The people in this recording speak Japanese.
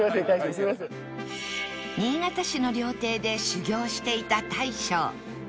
新潟市の料亭で修業していた大将